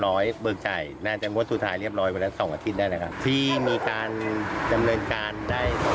ร้อยเบิกจ่ายแน่จริงว่าสุดท้ายเรียบร้อยวันแล้ว๒อาทิตย์ได้